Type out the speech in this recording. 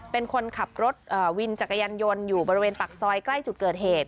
เป็นคนขับรถวินจักรยานยนต์อยู่บริเวณปากซอยใกล้จุดเกิดเหตุ